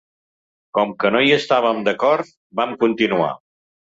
Com que no hi estàvem d’acord, vam continuar.